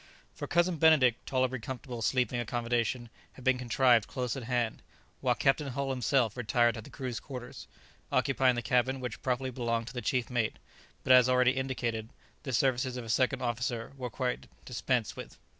For Cousin Benedict tolerably comfortable sleeping accommodation had been contrived close at hand, while Captain Hull himself retired to the crew's quarter, occupying the cabin which properly belonged to the chief mate, but as already indicated, the services of a second officer were quite dispensed with.